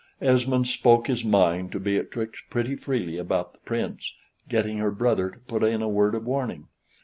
Esmond spoke his mind to Beatrix pretty freely about the Prince, getting her brother to put in a word of warning.